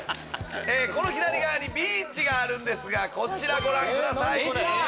左側にビーチがあるんですがご覧ください